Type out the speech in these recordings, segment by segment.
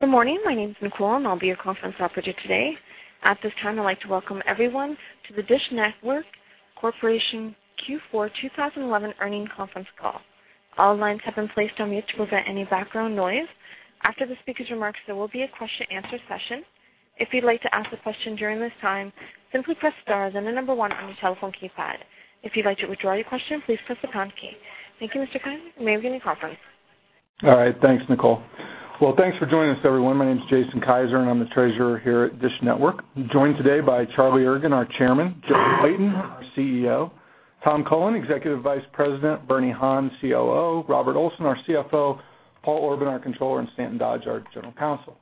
Good morning. My name is Nicole, and I'll be your conference operator today. At this time, I'd like to welcome everyone to the DISH Network Corporation Q4 2011 Earnings Conference Call. All lines have been placed on mute to prevent any background noise. After the speaker's remarks, there will be a question-answer session. If you'd like to ask a question during this time, simply press star, then the number one on your telephone keypad. If you'd like to withdraw your question, please press the pound key. Thank you, Mr. Kiser. You may begin the conference. Thanks, Nicole. Thanks for joining us, everyone. My name's Jason Kiser, and I'm the Treasurer here at DISH Network. I'm joined today by Charlie Ergen, our Chairman, Joe Clayton, our CEO, Tom Cullen, Executive Vice President, Bernie Han, COO, Robert Olson, our CFO, Paul Orban, our Controller, and Stan Dodge, our General Counsel.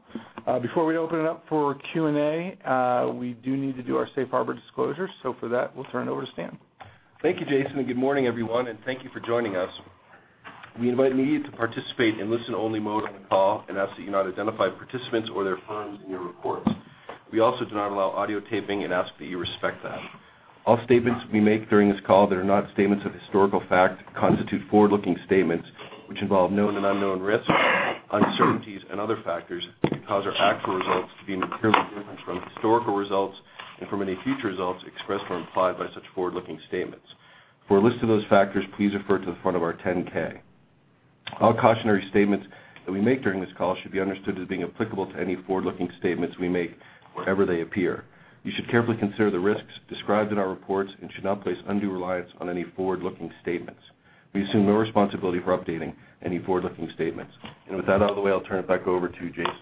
Before we open it up for Q&A, we do need to do our safe harbor disclosure, for that, we'll turn it over to Stan. Thank you, Jason. Good morning, everyone, and thank you for joining us. We invite media to participate in listen-only mode on the call and ask that you not identify participants or their firms in your reports. We also do not allow audio taping and ask that you respect that. All statements we make during this call that are not statements of historical fact constitute forward-looking statements which involve known and unknown risks, uncertainties, and other factors that could cause our actual results to be materially different from historical results and from any future results expressed or implied by such forward-looking statements. For a list of those factors, please refer to the front of our 10-K. All cautionary statements that we make during this call should be understood as being applicable to any forward-looking statements we make wherever they appear. You should carefully consider the risks described in our reports and should not place undue reliance on any forward-looking statements. We assume no responsibility for updating any forward-looking statements. With that out of the way, I'll turn it back over to you, Jason.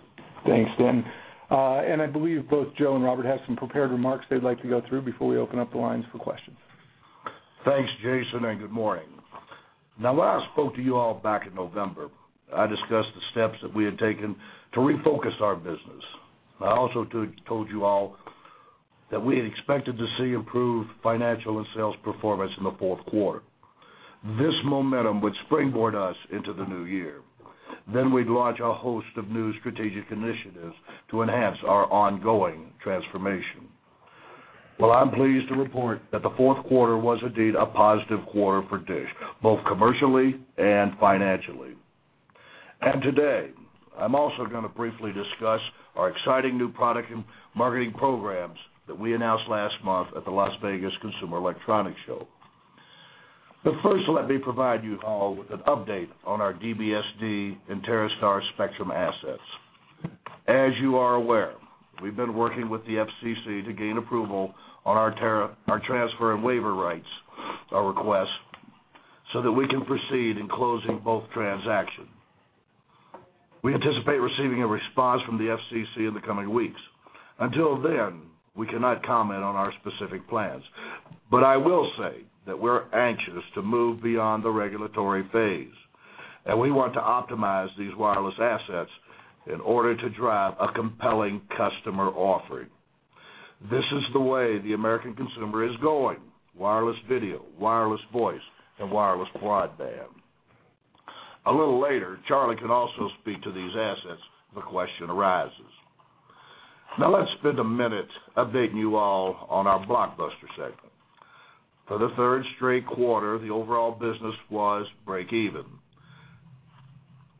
Thanks, Stan. I believe both Joe and Robert have some prepared remarks they'd like to go through before we open up the lines for questions. Thanks, Jason, good morning. When I spoke to you all back in November, I discussed the steps that we had taken to refocus our business. I also told you all that we had expected to see improved financial and sales performance in the fourth quarter. This momentum would springboard us into the new year. We'd launch a host of new strategic initiatives to enhance our ongoing transformation. Well, I'm pleased to report that the fourth quarter was indeed a positive quarter for DISH, both commercially and financially. Today, I'm also gonna briefly discuss our exciting new product and marketing programs that we announced last month at the Las Vegas Consumer Electronics Show. First, let me provide you all with an update on our DBSD and TerreStar spectrum assets. As you are aware, we've been working with the FCC to gain approval on our transfer and waiver rights, our request, so that we can proceed in closing both transaction. We anticipate receiving a response from the FCC in the coming weeks. Until then, we cannot comment on our specific plans. I will say that we're anxious to move beyond the regulatory phase, and we want to optimize these wireless assets in order to drive a compelling customer offering. This is the way the American consumer is going: wireless video, wireless voice, and wireless broadband. A little later, Charlie can also speak to these assets if the question arises. Now let's spend a minute updating you all on our Blockbuster segment. For the third straight quarter, the overall business was break-even.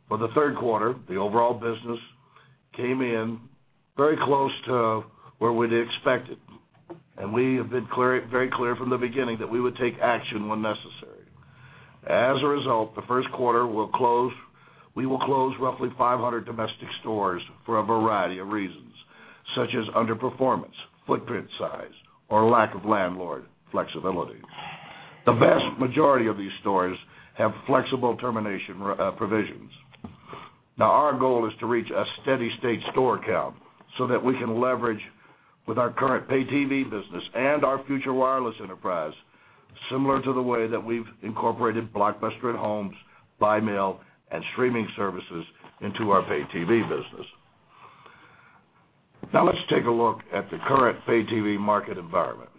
For the third quarter, the overall business came in very close to where we'd expected. We have been very clear from the beginning that we would take action when necessary. As a result, the first quarter we will close roughly 500 domestic stores for a variety of reasons, such as underperformance, footprint size, or lack of landlord flexibility. The vast majority of these stores have flexible termination provisions. Our goal is to reach a steady state store count so that we can leverage with our current pay-TV business and our future wireless enterprise, similar to the way that we've incorporated Blockbuster@Home, by mail, and streaming services into our pay-TV business. Let's take a look at the current pay-TV market environment.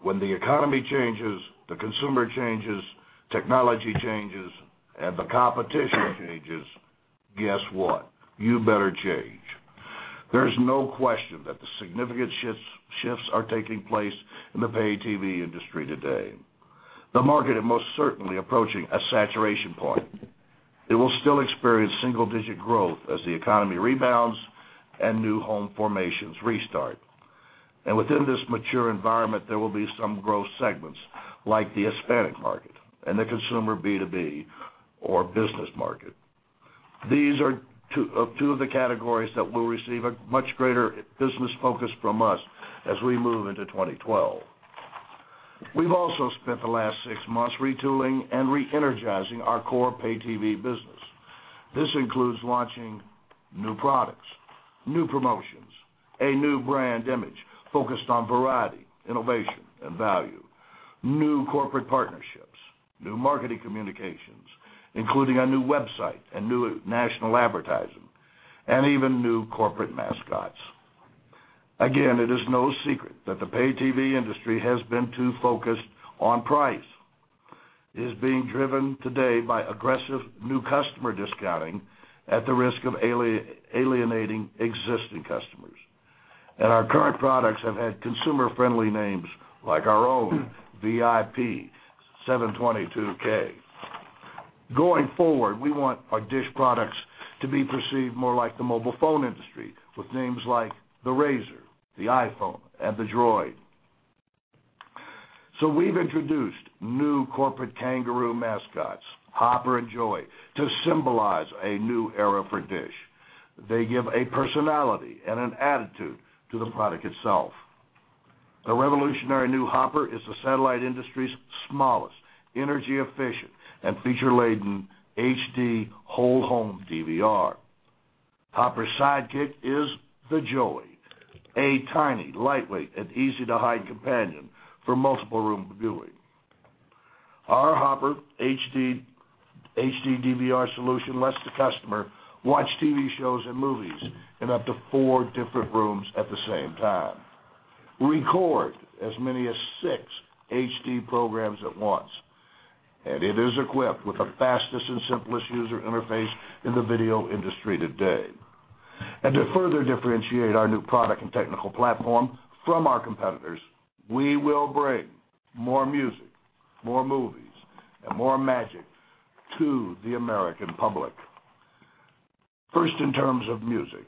When the economy changes, the consumer changes, technology changes, the competition changes, guess what? You better change. There's no question that the significant shifts are taking place in the pay-TV industry today. The market is most certainly approaching a saturation point. It will still experience single-digit growth as the economy rebounds and new home formations restart. Within this mature environment, there will be some growth segments like the Hispanic market and the consumer B2B or business market. These are two of the categories that will receive a much greater business focus from us as we move into 2012. We've also spent the last six months retooling and re-energizing our core pay-TV business. This includes launching new products, new promotions, a new brand image focused on variety, innovation, and value, new corporate partnerships, new marketing communications, including a new website and new national advertising, and even new corporate mascots. It is no secret that the pay-TV industry has been too focused on price. It is being driven today by aggressive new customer discounting at the risk of alienating existing customers. Our current products have had consumer-friendly names like our own ViP722k. Going forward, we want our DISH products to be perceived more like the mobile phone industry with names like the Razr, the iPhone, and the Droid. We've introduced new corporate kangaroo mascots, Hopper and Joey, to symbolize a new era for DISH. They give a personality and an attitude to the product itself. The revolutionary new Hopper is the satellite industry's smallest, energy efficient, and feature-laden HD whole home DVR. Hopper's sidekick is the Joey, a tiny, lightweight, and easy-to-hide companion for multiple room viewing. Our Hopper HD DVR solution lets the customer watch TV shows and movies in up to four different rooms at the same time, record as many as six HD programs at once. It is equipped with the fastest and simplest user interface in the video industry today. To further differentiate our new product and technical platform from our competitors, we will bring more music, more movies, and more magic to the American public. First, in terms of music,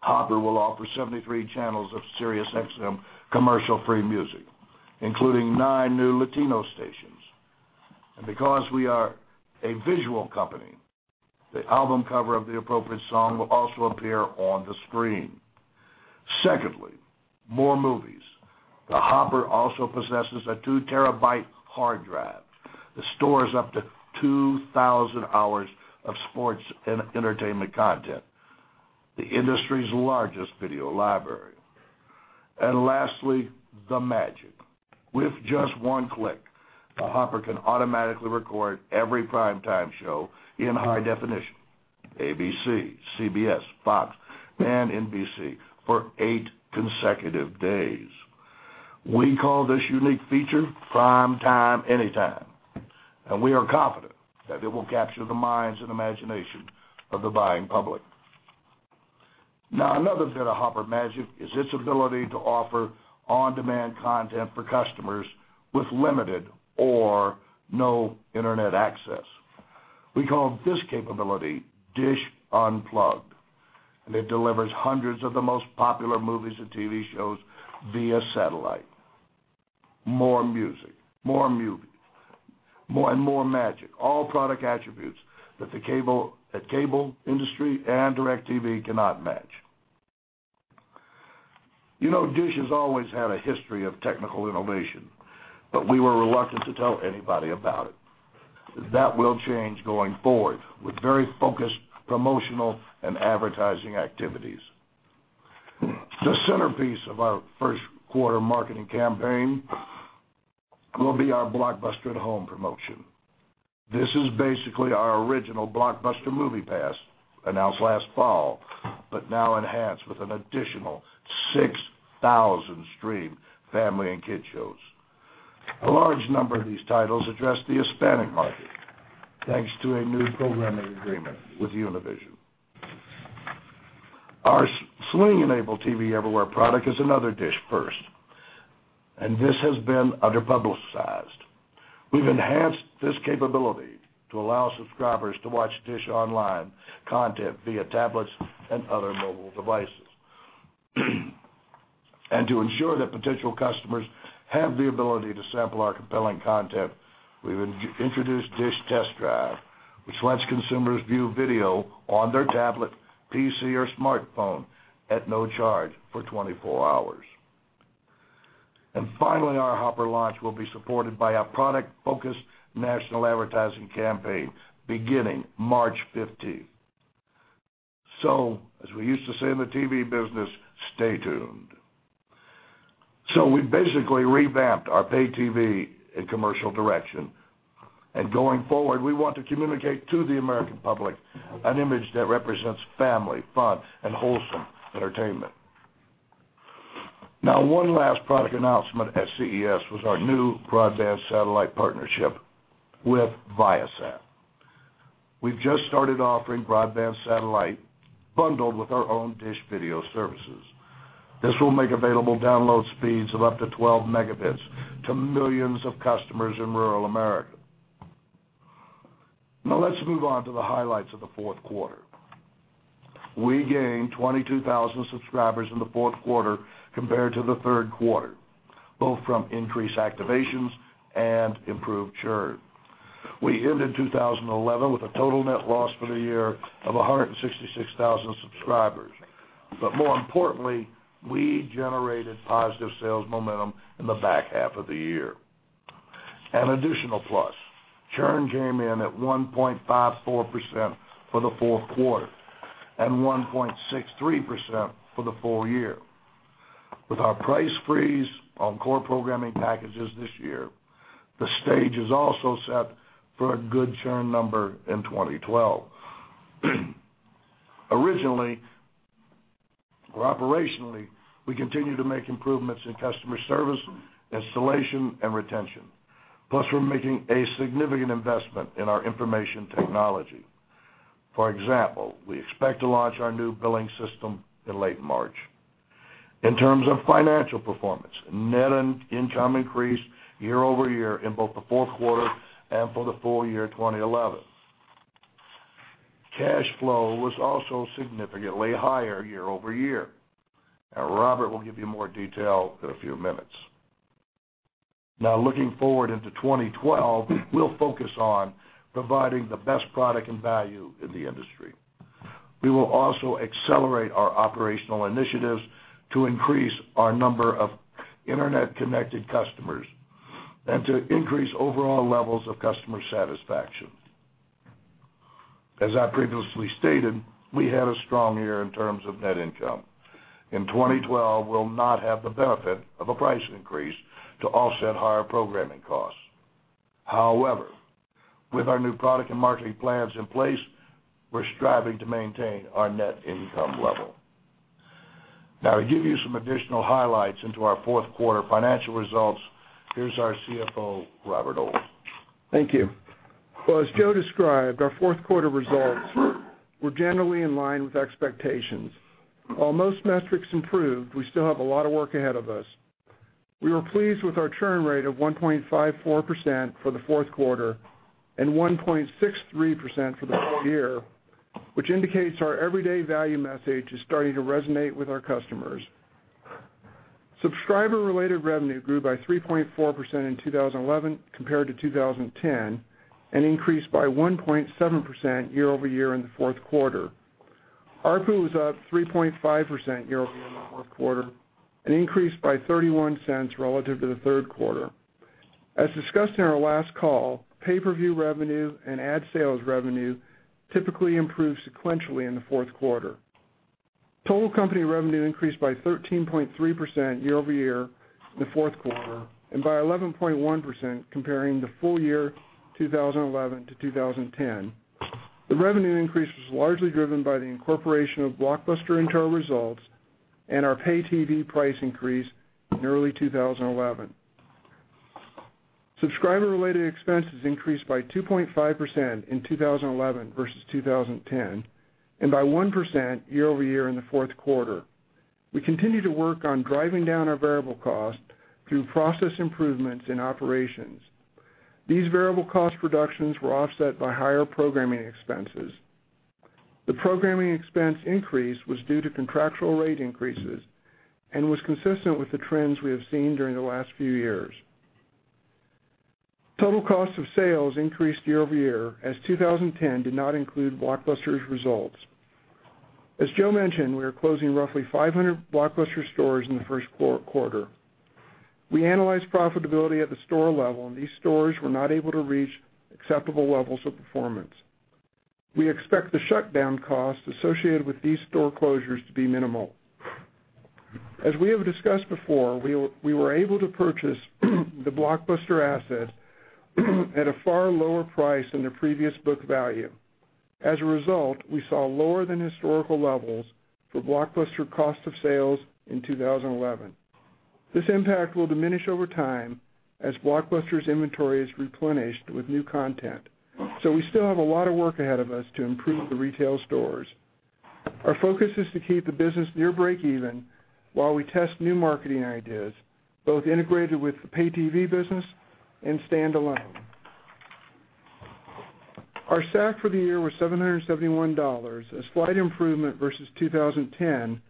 Hopper will offer 73 channels of SiriusXM commercial-free music, including 9 new Latino stations. Because we are a visual company, the album cover of the appropriate song will also appear on the screen. Secondly, more movies. The Hopper also possesses a 2 TB hard drive that stores up to 2,000 hours of sports and entertainment content, the industry's largest video library. Lastly, the magic. With just one click, the Hopper can automatically record every prime time show in high definition, ABC, CBS, Fox, and NBC, for eight consecutive days. We call this unique feature PrimeTime Anytime, We are confident that it will capture the minds and imagination of the buying public. Another bit of Hopper magic is its ability to offer on-demand content for customers with limited or no internet access. We call this capability DISH Unplugged, It delivers hundreds of the most popular movies and TV shows via satellite. More music, more movies, more and more magic, all product attributes that cable industry and DIRECTV cannot match. You know, DISH has always had a history of technical innovation, We were reluctant to tell anybody about it. That will change going forward with very focused promotional and advertising activities. The centerpiece of our first quarter marketing campaign will be our Blockbuster@Home promotion. This is basically our original Blockbuster Movie Pass announced last fall, but now enhanced with an additional 6,000 streamed family and kid shows. A large number of these titles address the Hispanic market, thanks to a new programming agreement with Univision. Our Sling-enabled TV Everywhere product is another DISH first. This has been underpublicized. We've enhanced this capability to allow subscribers to watch DISH online content via tablets and other mobile devices. To ensure that potential customers have the ability to sample our compelling content, we've introduced DISH Test Drive, which lets consumers view video on their tablet, PC, or smartphone at no charge for 24 hours. Finally, our Hopper launch will be supported by a product-focused national advertising campaign beginning March 15th. As we used to say in the TV business, stay tuned. We basically revamped our pay-TV and commercial direction, and going forward, we want to communicate to the American public an image that represents family, fun, and wholesome entertainment. One last product announcement at CES was our new broadband satellite partnership with Viasat. We've just started offering broadband satellite bundled with our own DISH video services. This will make available download speeds of up to 12 Mb to millions of customers in rural America. Let's move on to the highlights of the fourth quarter. We gained 22,000 subscribers in the fourth quarter compared to the third quarter, both from increased activations and improved churn. We ended 2011 with a total net loss for the year of 166,000 subscribers. More importantly, we generated positive sales momentum in the back half of the year. An additional plus, churn came in at 1.54% for the fourth quarter and 1.63% for the full year. With our price freeze on core programming packages this year, the stage is also set for a good churn number in 2012. Operationally, we continue to make improvements in customer service, installation, and retention. We're making a significant investment in our information technology. For example, we expect to launch our new billing system in late March. In terms of financial performance, net income increased year-over-year in both the fourth quarter and for the full year 2011. Cash flow was also significantly higher year-over-year. Robert will give you more detail in a few minutes. Looking forward into 2012, we'll focus on providing the best product and value in the industry. We will also accelerate our operational initiatives to increase our number of internet-connected customers and to increase overall levels of customer satisfaction. As I previously stated, we had a strong year in terms of net income. In 2012, we'll not have the benefit of a price increase to offset higher programming costs. With our new product and marketing plans in place, we're striving to maintain our net income level. To give you some additional highlights into our fourth quarter financial results, here's our CFO, Robert Olson. Thank you. As Joe described, our fourth quarter results were generally in line with expectations. While most metrics improved, we still have a lot of work ahead of us. We were pleased with our churn rate of 1.54% for the fourth quarter and 1.63% for the full year, which indicates our everyday value message is starting to resonate with our customers. Subscriber-related revenue grew by 3.4% in 2011 compared to 2010 and increased by 1.7% year-over-year in the fourth quarter. ARPU was up 3.5% year-over-year in the fourth quarter and increased by $0.31 relative to the third quarter. As discussed in our last call, pay-per-view revenue and ad sales revenue typically improve sequentially in the fourth quarter. Total company revenue increased by 13.3% year-over-year in the fourth quarter and by 11.1% comparing the full year 2011 to 2010. The revenue increase was largely driven by the incorporation of Blockbuster into our results and our pay-TV price increase in early 2011. Subscriber-related expenses increased by 2.5% in 2011 versus 2010 and by 1% year-over-year in the fourth quarter. We continue to work on driving down our variable costs through process improvements in operations. These variable cost reductions were offset by higher programming expenses. The programming expense increase was due to contractual rate increases and was consistent with the trends we have seen during the last few years. Total cost of sales increased year-over-year as 2010 did not include Blockbuster's results. As Joe mentioned, we are closing roughly 500 Blockbuster stores in the first quarter. We analyzed profitability at the store level, and these stores were not able to reach acceptable levels of performance. We expect the shutdown costs associated with these store closures to be minimal. As we have discussed before, we were able to purchase the Blockbuster assets at a far lower price than their previous book value. As a result, we saw lower than historical levels for Blockbuster cost of sales in 2011. This impact will diminish over time as Blockbuster's inventory is replenished with new content. We still have a lot of work ahead of us to improve the retail stores. Our focus is to keep the business near breakeven while we test new marketing ideas, both integrated with the pay-TV business and standalone. Our SAC for the year was $771, a slight improvement versus 2010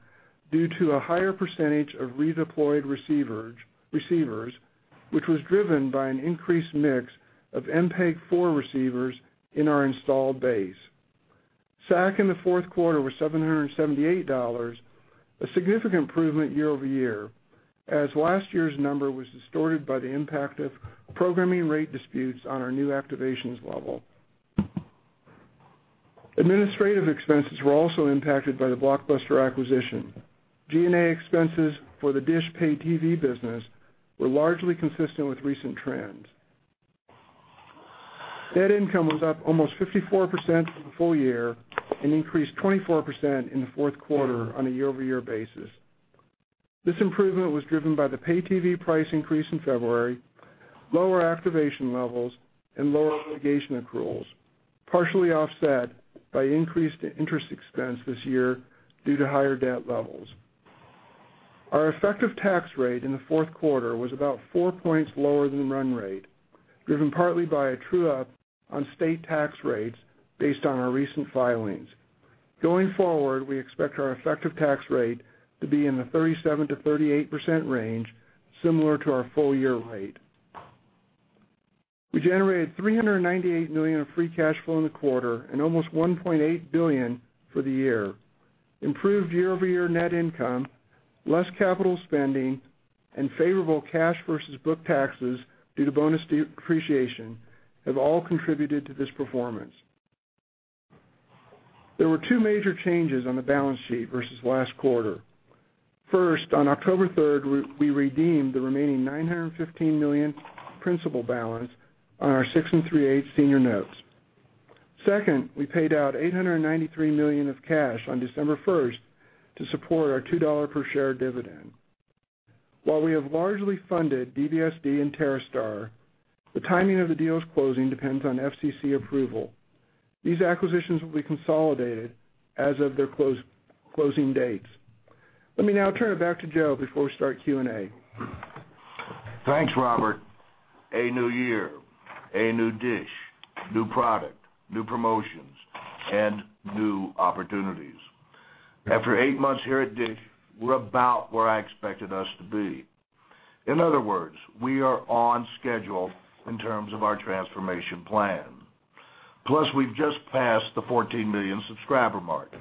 due to a higher percentage of redeployed receivers, which was driven by an increased mix of MPEG-4 receivers in our installed base. SAC in the fourth quarter was $778, a significant improvement year-over-year, as last year's number was distorted by the impact of programming rate disputes on our new activations level. Administrative expenses were also impacted by the Blockbuster acquisition. G&A expenses for the DISH pay-TV business were largely consistent with recent trends. Net income was up almost 54% for the full year and increased 24% in the fourth quarter on a year-over-year basis. This improvement was driven by the pay-TV price increase in February, lower activation levels, and lower obligation accruals, partially offset by increased interest expense this year due to higher debt levels. Our effective tax rate in the fourth quarter was about 4 points lower than run rate, driven partly by a true-up on state tax rates based on our recent filings. Going forward, we expect our effective tax rate to be in the 37%-38% range, similar to our full year rate. We generated $398 million of free cash flow in the quarter and almost $1.8 billion for the year. Improved year-over-year net income, less capital spending, and favorable cash versus book taxes due to bonus depreciation have all contributed to this performance. There were two major changes on the balance sheet versus last quarter. First, on October 3rd, we redeemed the remaining $915 million principal balance on our six and three-eighth senior notes. Second, we paid out $893 million of cash on December 1st to support our $2 per share dividend. While we have largely funded DBSD and TerreStar, the timing of the deal's closing depends on FCC approval. These acquisitions will be consolidated as of their closing dates. Let me now turn it back to Joe before we start Q&A. Thanks, Robert. A new year, a new DISH, new product, new promotions, and new opportunities. After eight months here at DISH, we're about where I expected us to be. In other words, we are on schedule in terms of our transformation plan. Plus, we've just passed the 14 million subscriber mark.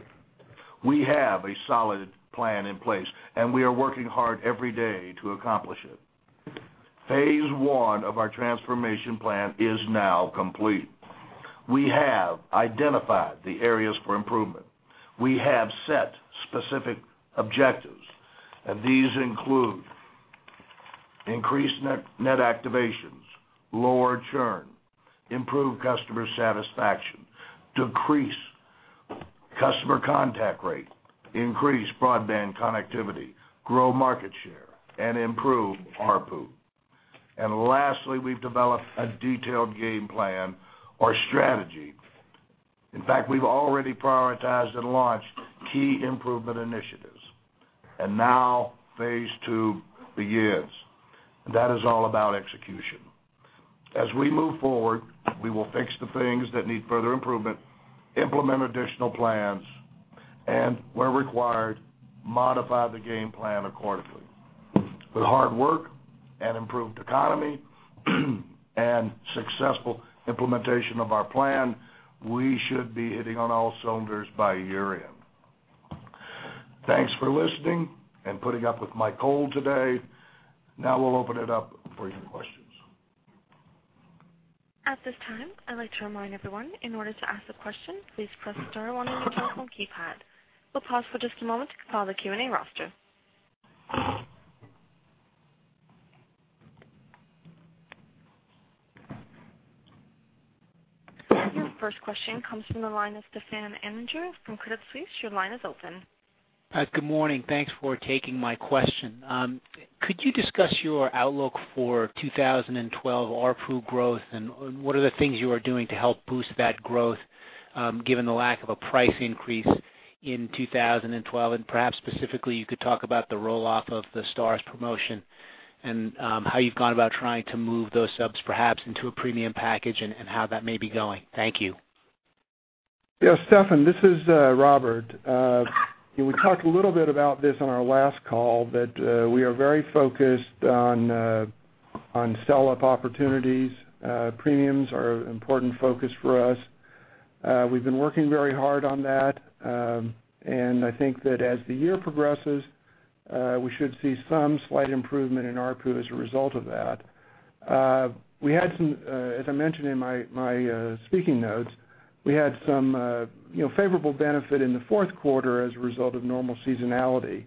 We have a solid plan in place, we are working hard every day to accomplish it. Phase I of our transformation plan is now complete. We have identified the areas for improvement. We have set specific objectives, these include increase net activations, lower churn, improve customer satisfaction, decrease customer contact rate, increase broadband connectivity, grow market share, and improve ARPU. Lastly, we've developed a detailed game plan or strategy. In fact, we've already prioritized and launched key improvement initiatives. Now phase II begins, and that is all about execution. As we move forward, we will fix the things that need further improvement, implement additional plans, and where required, modify the game plan accordingly. With hard work and improved economy and successful implementation of our plan, we should be hitting on all cylinders by year-end. Thanks for listening and putting up with my cold today. We'll open it up for your questions. At this time, I'd like to remind everyone, in order to ask a question, please press star one on your telephone keypad. We'll pause for just a moment to compile the Q&A roster. Your first question comes from the line of Stefan Anninger from Credit Suisse. Your line is open. Hi. Good morning. Thanks for taking my question. Could you discuss your outlook for 2012 ARPU growth and what are the things you are doing to help boost that growth, given the lack of a price increase in 2012? Perhaps specifically, you could talk about the roll-off of the Starz promotion and how you've gone about trying to move those subs perhaps into a premium package and how that may be going. Thank you. Stefan, this is Robert. Yeah, we talked a little bit about this on our last call, that we are very focused on sell-up opportunities. Premiums are an important focus for us. We've been working very hard on that. I think that as the year progresses, we should see some slight improvement in ARPU as a result of that. We had some, as I mentioned in my speaking notes, we had some, you know, favorable benefit in the fourth quarter as a result of normal seasonality.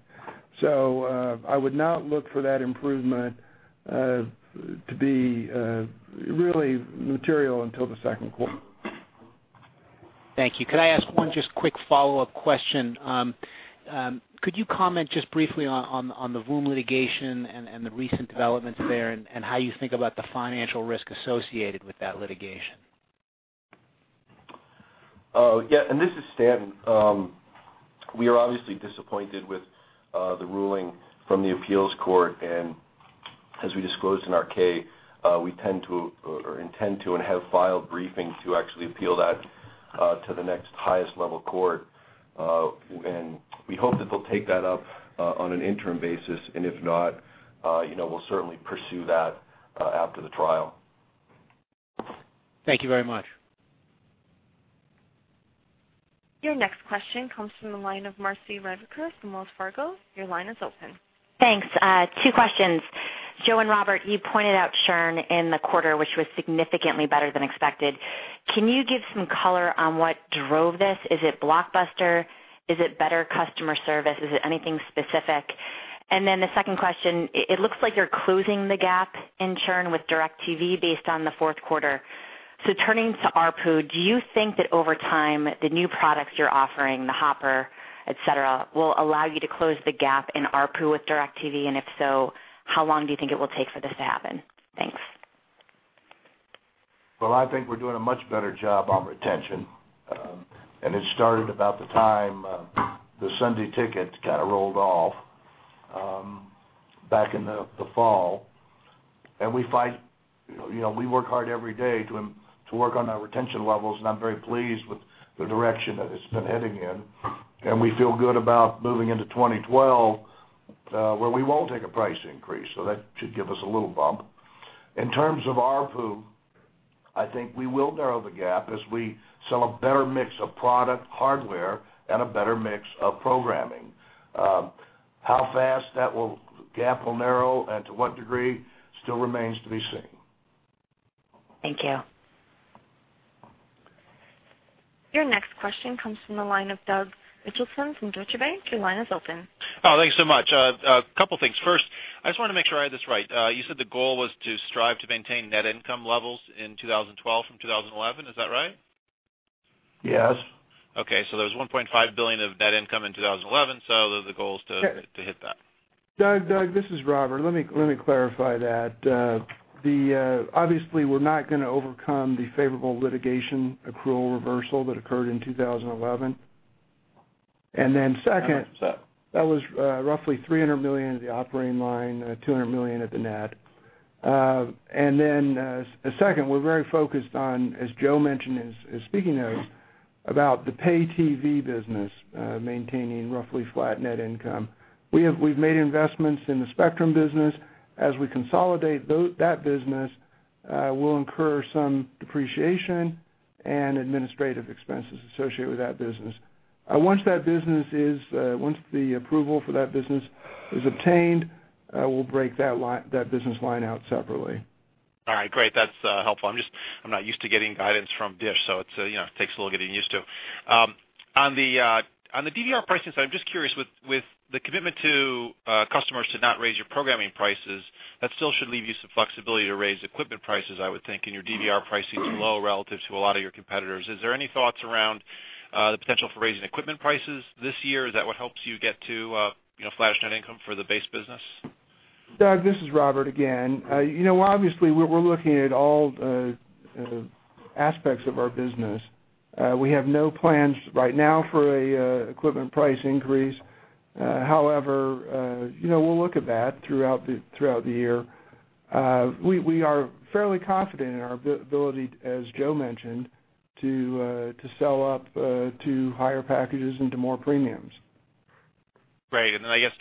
I would not look for that improvement to be really material until the second quarter. Thank you. Could I ask one just quick follow-up question? Could you comment just briefly on the Voom litigation and the recent developments there and how you think about the financial risk associated with that litigation? Yeah, this is Stan. Uhm. We are obviously disappointed with the ruling from the appeals court, and as we disclosed in our K, we tend to or intend to and have filed briefing to actually appeal that to the next highest level court. We hope that they'll take that up on an interim basis, and if not, you know, we'll certainly pursue that after the trial. Thank you very much. Your next question comes from the line of Marci Ryvicker from Wells Fargo. Your line is open. Thanks, two questions. Joe and Robert, you pointed out churn in the quarter which was significantly better than expected. Can you give some color on what drove this? Is it blockbuster? Is it better customer service? Is it anything specific? And then the second question, it looks like you're closing the gap in churn with DIRECTV based on the fourth quarter. To turning to ARPU, do you think in overtime the new products your offering the Hopper et cetera, will allow you to close the gap in ARPU with DIRECTV and if so, how long do you think will it take this to happen? Thanks. Thank you. Your next question comes from the line of Doug Mitchelson from Deutsche Bank. Your line is open. Oh, thanks so much. A couple things. First, I just wanna make sure I have this right. You said the goal was to strive to maintain net income levels in 2012 from 2011. Is that right? Yes. Okay. There's $1.5 billion of net income in 2011, so the goal is to hit that. Doug, this is Robert. Let me clarify that. Obviously, we're not gonna overcome the favorable litigation accrual reversal that occurred in 2011. And then second. How much is that? That was roughly $300 million at the operating line, $200 million at the net. Second, we're very focused on, as Joe mentioned in his speaking notes, about the pay-TV business, maintaining roughly flat net income. We've made investments in the spectrum business. As we consolidate that business, we'll incur some depreciation and administrative expenses associated with that business. Once that business is, once the approval for that business is obtained, we'll break that business line out separately. All right, great. That's helpful. I'm not used to getting guidance from DISH, so it's, you know, takes a little getting used to. On the DVR pricing side, I'm just curious with the commitment to customers to not raise your programming prices, that still should leave you some flexibility to raise equipment prices, I would think. Your DVR pricing's low relative to a lot of your competitors. Is there any thoughts around the potential for raising equipment prices this year? Is that what helps you get to, you know, flat net income for the base business? Doug, this is Robert again. you know, obviously, we're looking at all aspects of our business. We have no plans right now for a equipment price increase. however, you know, we'll look at that throughout the year. We are fairly confident in our ability, as Joe mentioned, to sell up to higher packages and to more premiums. Great. I guess,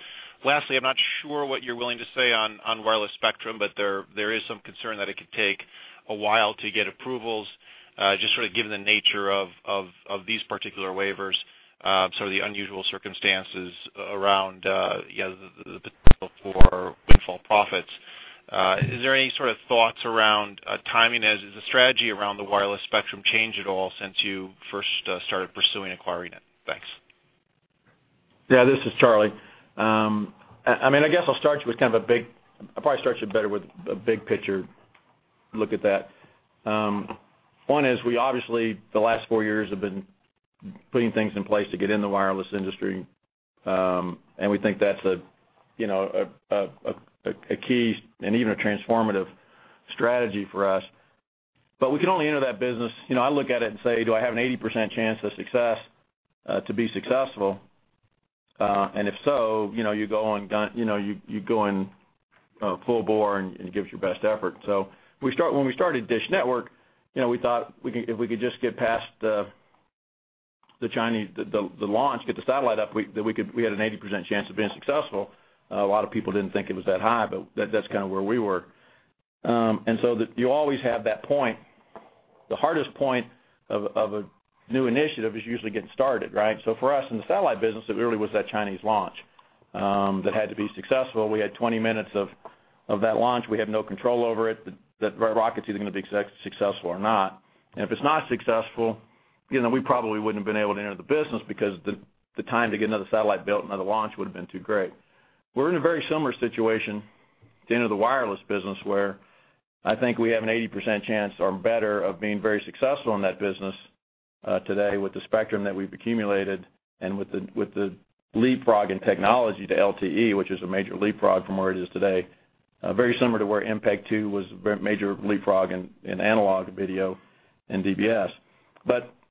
lastly, I'm not sure what you're willing to say on wireless spectrum, but there is some concern that it could take a while to get approvals, just sort of given the nature of these particular waivers, sort of the unusual circumstances around, you know, the potential for windfall profits. Is there any sort of thoughts around timing as the strategy around the wireless spectrum changed at all since you first started pursuing acquiring it? Thanks. This is Charlie. I mean, I'll probably start you better with a big picture look at that. One is we obviously, the last four years have been putting things in place to get in the wireless industry. We think that's a, you know, a key and even a transformative strategy for us. We can only enter that business, you know, I look at it and say, "Do I have an 80% chance of success to be successful?" If so, you know, you go on gun, you know, you go in full bore and give it your best effort. When we started DISH Network, you know, we thought if we could just get past the Chinese launch, get the satellite up, we had an 80% chance of being successful. A lot of people didn't think it was that high, but that's kind of where we were. You always have that point. The hardest point of a new initiative is usually getting started, right? For us in the satellite business, it really was that Chinese launch that had to be successful. We had 20 minutes of that launch. We have no control over it. That rocket's either gonna be successful or not. If it's not successful, you know, we probably wouldn't have been able to enter the business because the time to get another satellite built, another launch would have been too great. We're in a very similar situation to enter the wireless business, where I think we have an 80% chance or better of being very successful in that business today with the spectrum that we've accumulated and with the leapfrog in technology to LTE, which is a major leapfrog from where it is today. Very similar to where MPEG-2 was a very major leapfrog in analog video and DBS.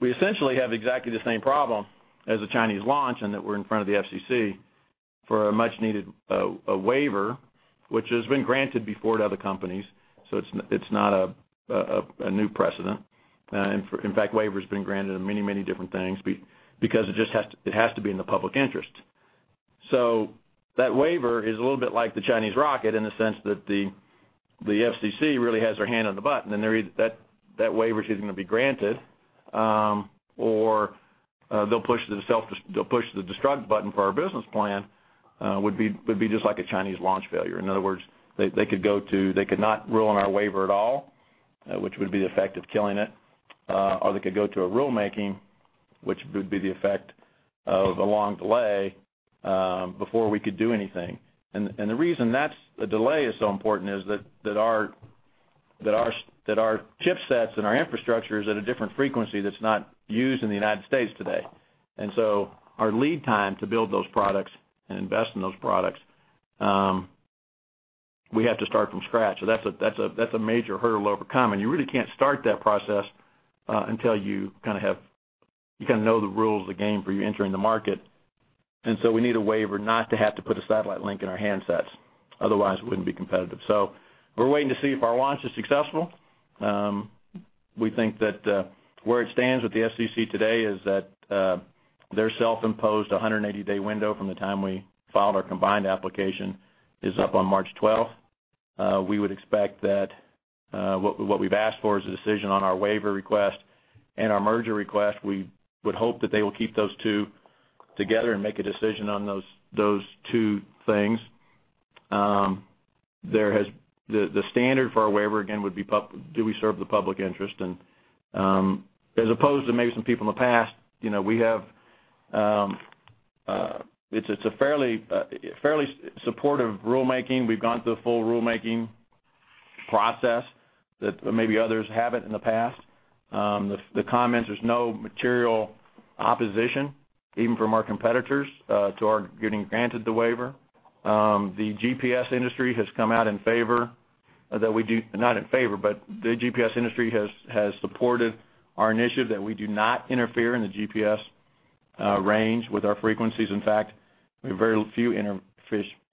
We essentially have exactly the same problem as the Chinese launch and that we're in front of the FCC for a much needed waiver, which has been granted before to other companies. It's not a new precedent. In fact, waiver's been granted on many different things because it just has to, it has to be in the public interest. That waiver is a little bit like the Chinese rocket in the sense that the FCC really has their hand on the button, and that waiver is either gonna be granted, or they'll push the destruct button for our business plan, would be just like a Chinese launch failure. In other words, they could not rule on our waiver at all, which would be the effect of killing it. They could go to a rulemaking, which would be the effect of a long delay before we could do anything. The reason a delay is so important is that our chipsets and our infrastructure is at a different frequency that's not used in the United States today. Our lead time to build those products and invest in those products, we have to start from scratch. That's a major hurdle to overcome. You really can't start that process until you kind of know the rules of the game before you enter in the market. We need a waiver not to have to put a satellite link in our handsets. Otherwise, we wouldn't be competitive. We're waiting to see if our launch is successful. We think that where it stands with the FCC today is that their self-imposed 180-day window from the time we filed our combined application is up on March 12th. We would expect that what we've asked for is a decision on our waiver request and our merger request. We would hope that they will keep those two together and make a decision on those two things. The standard for our waiver, again, would be do we serve the public interest? As opposed to maybe some people in the past, you know, we have a fairly supportive rulemaking. We've gone through the full rulemaking process that maybe others haven't in the past. The comments, there's no material opposition, even from our competitors, to our getting granted the waiver. The GPS industry has come out in favor. Not in favor, but the GPS industry has supported our initiative that we do not interfere in the GPS range with our frequencies. In fact, we have very few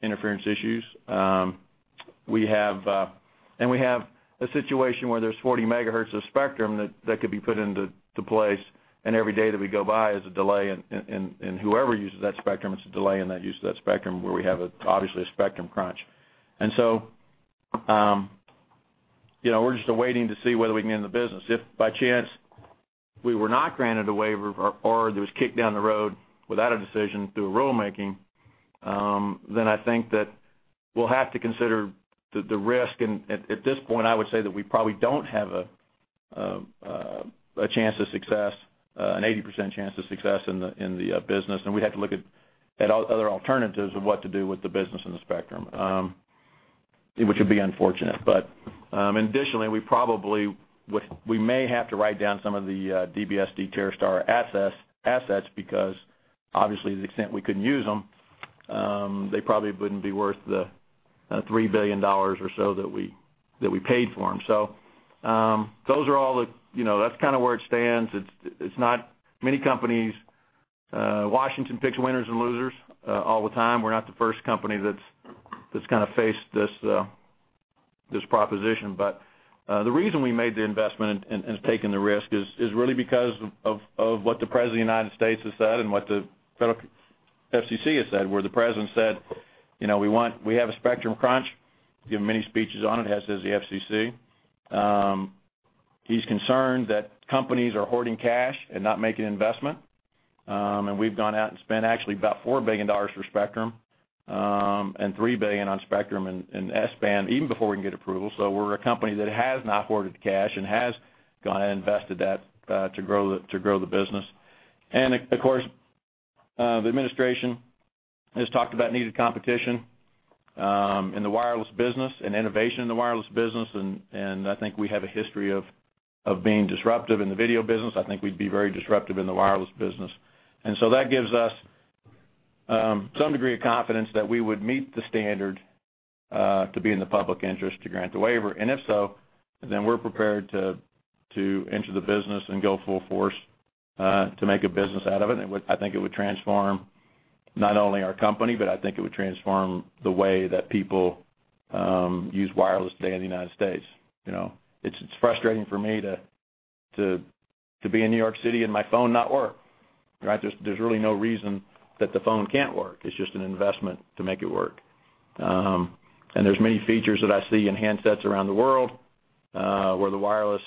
interference issues. We have a situation where there's 40 MHz of spectrum that could be put into place, and every day that we go by is a delay in whoever uses that spectrum, it's a delay in that use of that spectrum where we have, obviously, a spectrum crunch. you know, we're just awaiting to see whether we can get in the business. If by chance we were not granted a waiver or it was kicked down the road without a decision through a rulemaking, I think that we'll have to consider the risk. At this point, I would say that we probably don't have a chance of success, an 80% chance of success in the business, and we'd have to look at other alternatives of what to do with the business and the spectrum, which would be unfortunate. Additionally, we probably may have to write down some of the DBSD TerreStar assets because obviously to the extent we couldn't use them, they probably wouldn't be worth the $3 billion or so that we paid for them. Those are all the You know, that's kind of where it stands. It's not many companies. Washington picks winners and losers all the time. We're not the first company that's kind of faced this proposition. The reason we made the investment and has taken the risk is really because of what the President of the United States has said and what the FCC has said, where the president said, you know, "We have a spectrum crunch." Given many speeches on it, says the FCC. He's concerned that companies are hoarding cash and not making investment. We've gone out and spent actually about $4 billion for spectrum and $3 billion on spectrum and S-band even before we can get approval. We're a company that has not hoarded the cash and has gone ahead and invested that to grow the business. Of course, the administration has talked about needed competition in the wireless business and innovation in the wireless business and I think we have a history of being disruptive in the video business. I think we'd be very disruptive in the wireless business. That gives us some degree of confidence that we would meet the standard to be in the public interest to grant the waiver. If so, then we're prepared to enter the business and go full force to make a business out of it. I think it would transform not only our company, but I think it would transform the way that people use wireless today in the United States. You know, it's frustrating for me to be in New York City and my phone not work, right? There's really no reason that the phone can't work. It's just an investment to make it work. There's many features that I see in handsets around the world, where the wireless,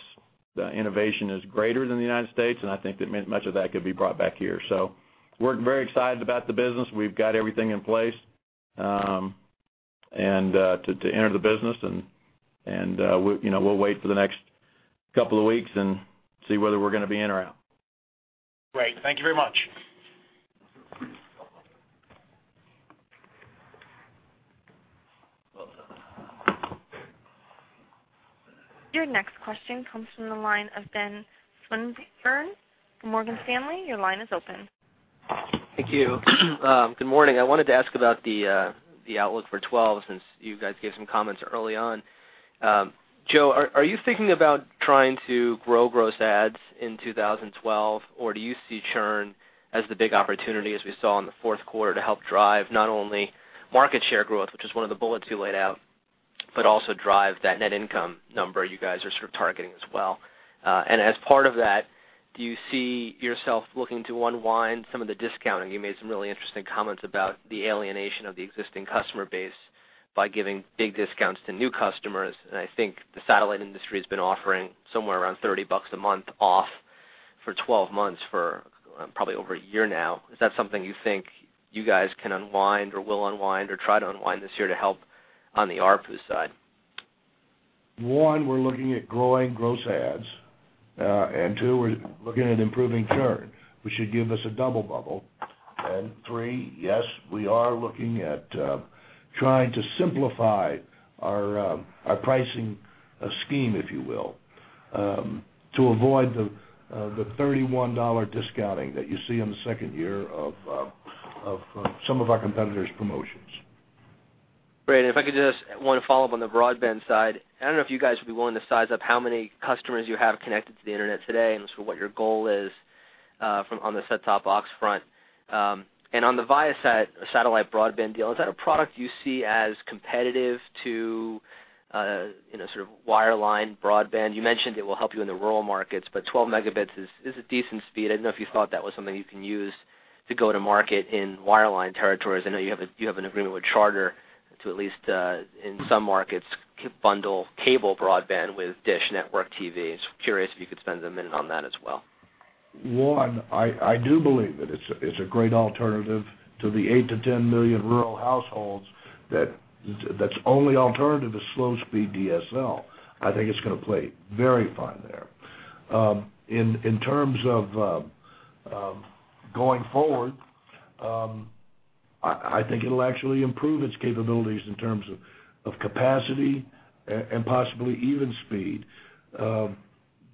the innovation is greater than the United States, and I think that much of that could be brought back here. We're very excited about the business. We've got everything in place to enter the business, and we, you know, we'll wait for the next couple of weeks and see whether we're gonna be in or out. Great. Thank you very much. Your next question comes from the line of Ben Swinburne from Morgan Stanley. Your line is open. Thank you. Good morning. I wanted to ask about the outlook for 2012, since you guys gave some comments early on. Joe, are you thinking about trying to grow gross ads in 2012, or do you see churn as the big opportunity, as we saw in the fourth quarter, to help drive not only market share growth, which is one of the bullets you laid out, but also drive that net income number you guys are sort of targeting as well? As part of that, do you see yourself looking to unwind some of the discounting? You made some really interesting comments about the alienation of the existing customer base by giving big discounts to new customers. I think the satellite industry has been offering somewhere around $30 a month off for 12 months for probably over a year now. Is that something you think you guys can unwind or will unwind or try to unwind this year to help on the ARPU side? One, we're looking at growing gross ads. Two, we're looking at improving churn, which should give us a double bubble. Three, yes, we are looking at trying to simplify our pricing scheme, if you will, to avoid the $31 discounting that you see on the second year of some of our competitors' promotions. Great. If I could just one follow-up on the broadband side. I don't know if you guys would be willing to size up how many customers you have connected to the internet today and sort of what your goal is on the set-top box front. On the Viasat satellite broadband deal, is that a product you see as competitive to sort of wireline broadband? You mentioned it will help you in the rural markets, 12 Mb is a decent speed. I didn't know if you thought that was something you can use to go to market in wireline territories. I know you have an agreement with Charter to at least in some markets bundle cable broadband with DISH Network TV. Curious if you could spend a minute on that as well. One, I do believe that it's a great alternative to the 8 million-10 million rural households that's only alternative is slow speed DSL. I think it's gonna play very fine there. In terms of going forward. I think it'll actually improve its capabilities in terms of capacity and possibly even speed.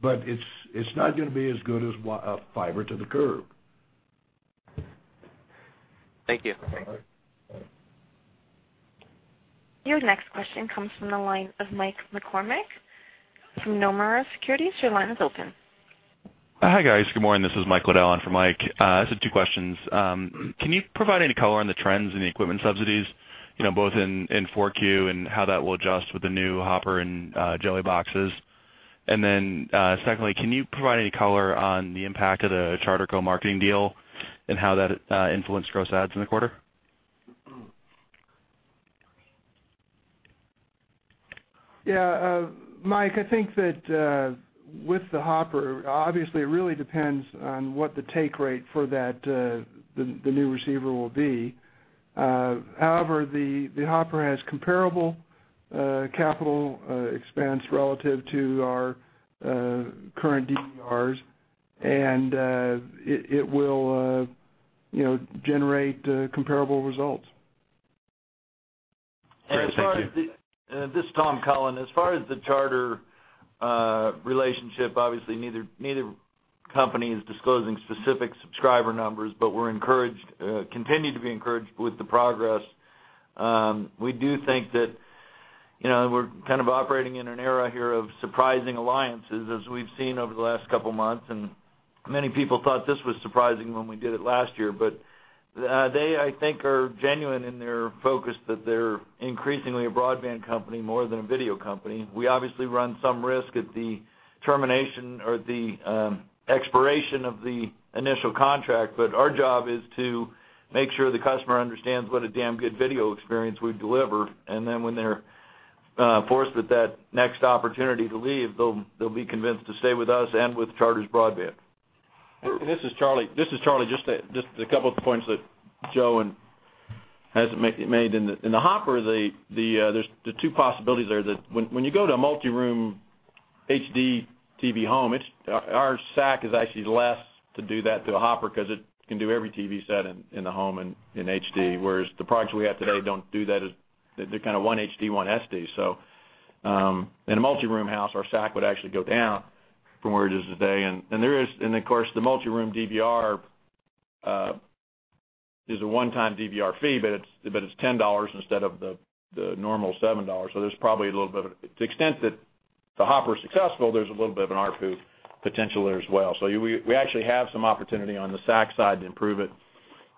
It's not gonna be as good as fiber to the curb. Thank you. All right. Your next question comes from the line of Mike McCormack from Nomura Securities. Your line is open. Hi, guys. Good morning. This is Mike Liddell in for Mike. I just have two questions. Can you provide any color on the trends in the equipment subsidies, you know, both in 4Q and how that will adjust with the new Hopper and Joey Boxes? Then, secondly, can you provide any color on the impact of the Charter co-marketing deal and how that influenced gross adds in the quarter? Yeah. Mike, I think that, with the Hopper, obviously, it really depends on what the take rate for that, the new receiver will be. The Hopper has comparable capital expense relative to our current DVRs, and it will, you know, generate comparable results. Great. Thank you. This is Tom Cullen. As far as the Charter relationship, obviously neither company is disclosing specific subscriber numbers, but we're encouraged, continue to be encouraged with the progress. We do think that, you know, we're kind of operating in an era here of surprising alliances as we've seen over the last couple months, and many people thought this was surprising when we did it last year. They, I think, are genuine in their focus that they're increasingly a broadband company more than a video company. We obviously run some risk at the termination or the expiration of the initial contract, but our job is to make sure the customer understands what a damn good video experience we deliver. Then when they're forced with that next opportunity to leave, they'll be convinced to stay with us and with Charter's broadband. This is Charlie. Just a couple of points that Joe hasn't made in the Hopper, there's the two possibilities there that when you go to a multi-room HDTV home, our SAC is actually less to do that to a Hopper 'cause it can do every TV set in the home in HD, whereas the products we have today don't do that as They're kind of one HD, one SD. In a multi-room house, our SAC would actually go down from where it is today. There is, and of course, the multi-room DVR is a one-time DVR fee, but it's $10 instead of the normal $7. There's probably, to the extent that the Hopper is successful, a little bit of an ARPU potential there as well. We actually have some opportunity on the SAC side to improve it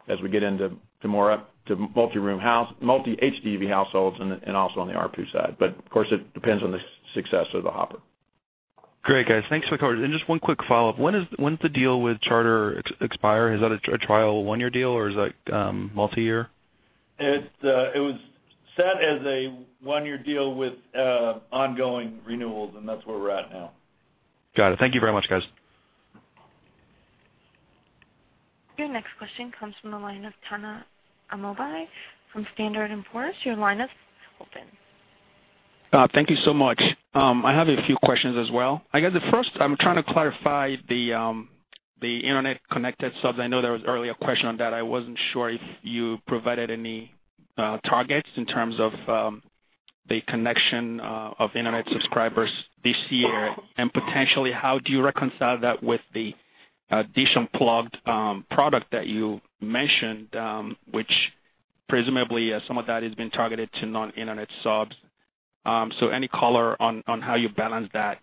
as we get into more up to multi-room multi-HDV households and also on the ARPU side. Of course, it depends on the success of the Hopper. Great, guys. Thanks for the color. Just one quick follow-up. When does the deal with Charter expire? Is that a trial one-year deal, or is that multi-year? It was set as a one-year deal with ongoing renewals, and that's where we're at now. Got it. Thank you very much, guys. Your next question comes from the line of Tuna Amobi from Standard & Poor's. Your line is open. Thank you so much. I have a few questions as well. I guess the first, I'm trying to clarify the internet connected subs. I know there was earlier a question on that. I wasn't sure if you provided any targets in terms of the connection of internet subscribers this year. Potentially, how do you reconcile that with the DISH Unplugged product that you mentioned, which presumably, some of that has been targeted to non-internet subs. Any color on how you balance that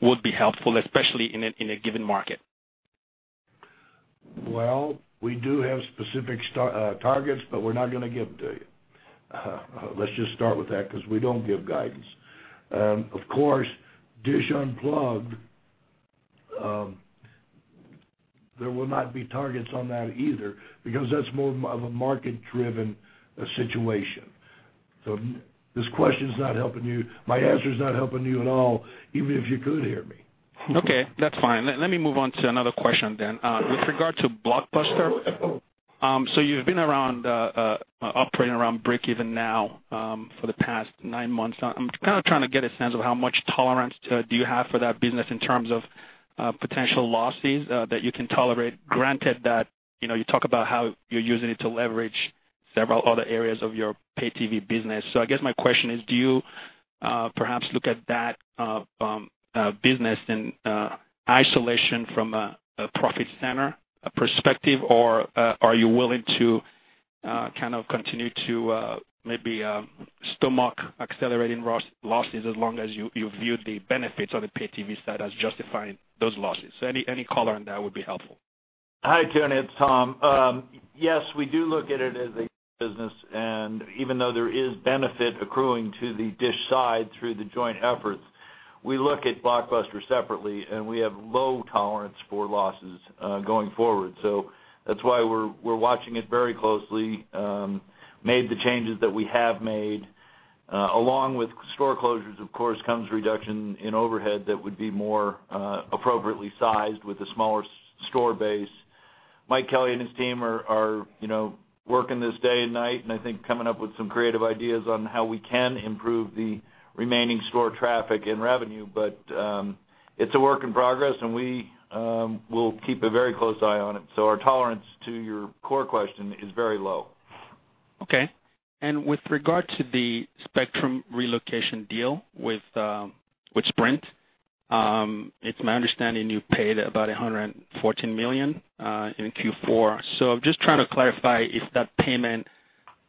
would be helpful, especially in a given market. We do have specific targets, we're not gonna give them to you. Let's just start with that because we don't give guidance. Of course, DISH Unplugged, there will not be targets on that either because that's more of a market-driven situation. This question's not helping you. My answer's not helping you at all, even if you could hear me. That's fine. Let me move on to another question. With regard to Blockbuster, you've been around operating around breakeven now for the past nine months. I'm kind of trying to get a sense of how much tolerance do you have for that business in terms of potential losses that you can tolerate, granted that, you know, you talk about how you're using it to leverage several other areas of your pay-TV business. I guess my question is, do you perhaps look at that business in isolation from a profit center perspective, or are you willing to kind of continue to maybe stomach accelerating losses as long as you view the benefits on the pay-TV side as justifying those losses? Any color on that would be helpful. Hi, Tuna. It's Tom. Yes, we do look at it as a business, even though there is benefit accruing to the DISH side through the joint efforts, we look at Blockbuster separately, we have low tolerance for losses going forward. That's why we're watching it very closely, made the changes that we have made. Along with store closures, of course, comes reduction in overhead that would be more appropriately sized with a smaller store base. Mike Kelly and his team are, you know, working this day and night, I think coming up with some creative ideas on how we can improve the remaining store traffic and revenue. It's a work in progress, we will keep a very close eye on it. Our tolerance to your core question is very low. Okay. With regard to the spectrum relocation deal with Sprint, it's my understanding you paid about $114 million in Q4. I'm just trying to clarify if that payment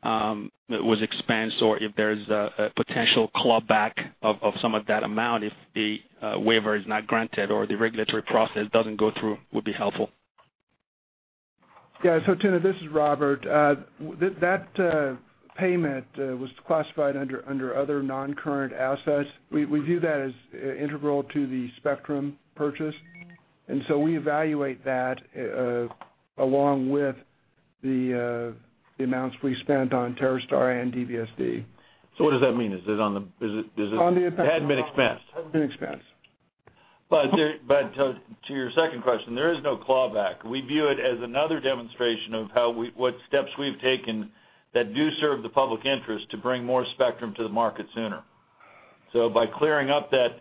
was expensed or if there's a potential clawback of some of that amount if the waiver is not granted or the regulatory process doesn't go through, would be helpful? Yeah. So. Tuna, this is Robert. That payment was classified under other non-current assets. We view that as integral to the spectrum purchase. We evaluate that along with the amounts we spent on TerreStar and DBSD. What does that mean? Is it? On the. It hadn't been expensed. Hasn't been expensed. To your second question, there is no clawback. We view it as another demonstration of what steps we've taken that do serve the public interest to bring more spectrum to the market sooner. By clearing up that,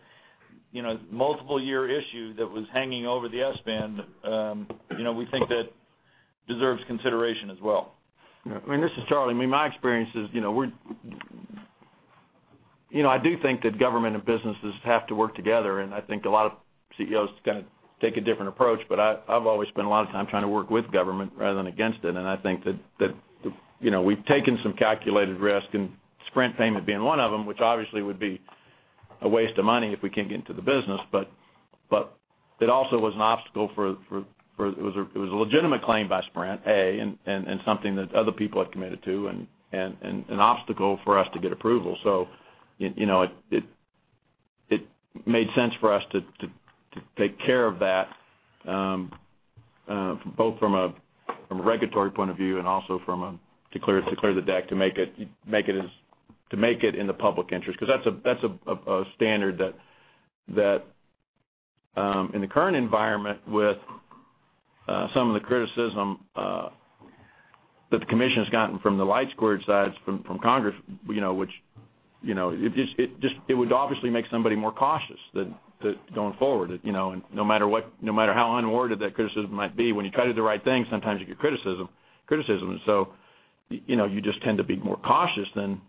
you know, multiple year issue that was hanging over the S-band, you know, we think that deserves consideration as well. Yeah. I mean, this is Charlie. I mean, my experience is, you know, I do think that government and businesses have to work together, and I think a lot of CEOs kinda take a different approach, but I've always spent a lot of time trying to work with government rather than against it. I think that, you know, we've taken some calculated risk and Sprint payment being one of them, which obviously would be a waste of money if we can't get into the business. It also was an obstacle. It was a legitimate claim by Sprint and something that other people had committed to and an obstacle for us to get approval. You know, it made sense for us to take care of that, both from a regulatory point of view and also from a to clear the deck to make it in the public interest. 'Cause that's a standard that in the current environment with some of the criticism that the commission's gotten from the LightSquared sides from Congress, you know, which, you know, it would obviously make somebody more cautious that going forward, you know. No matter what, no matter how unworded that criticism might be, when you try to do the right thing, sometimes you get criticism. You know, you just tend to be more cautious than,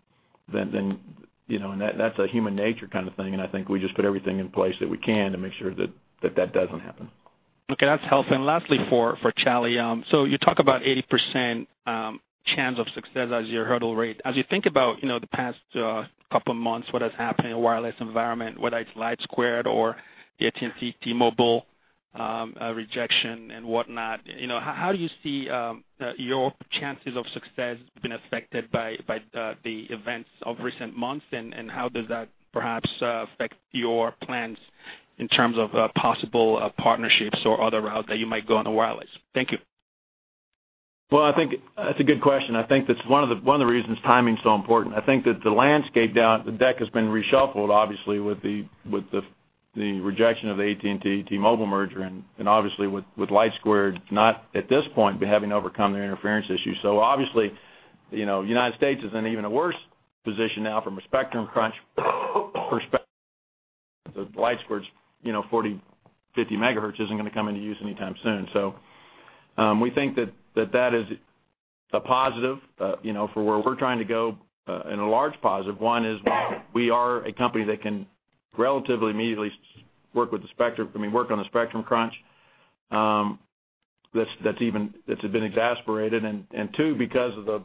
you know, and that's a human nature kind of thing. I think we just put everything in place that we can to make sure that doesn't happen. Okay, that's helpful. Lastly for Charlie, so you talk about 80% chance of success as your hurdle rate. As you think about, you know, the past two months, what has happened in the wireless environment, whether it's LightSquared or the AT&T T-Mobile rejection and whatnot, you know, how do you see your chances of success been affected by the events of recent months? How does that perhaps affect your plans in terms of possible partnerships or other route that you might go on the wireless? Thank you. Well, I think that's a good question. I think that's one of the reasons timing's so important. I think that the landscape down the deck has been reshuffled, obviously, with the rejection of the AT&T T-Mobile merger and obviously with LightSquared not, at this point, having overcome their interference issue. Obviously, you know, the United States. is in an even a worse position now from a spectrum crunch perspective. LightSquared's, you know, 40 MHz, 50 MHz isn't gonna come into use anytime soon. We think that that is a positive, you know, for where we're trying to go. A large positive, one is we are a company that can relatively immediately work with the spectrum, I mean, work on the spectrum crunch, that's even that has been exacerbated. Two, because of the